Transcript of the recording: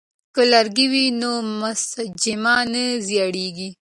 که لرګی وي نو مجسمه نه نړیږي.